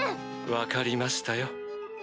分かりましたよ。